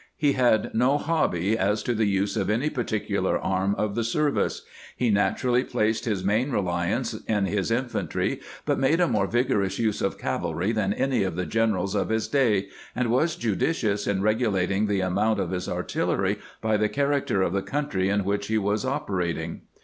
He had no hobby as to the use of any particular arm of the service. He naturally placed his main reliance in his infantry, but made a more vigorous use of cavalry than any of the generals of his day, and was judicious in regulating the amount of his artiUery by the character of the country in which he was operating.